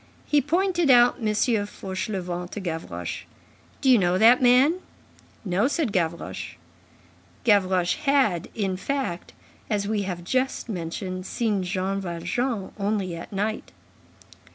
He pointed out M. Fauchelevent to Gavroche. "Do you know that man?" "No," said Gavroche. Gavroche had, in fact, as we have just mentioned, seen Jean Valjean only at night.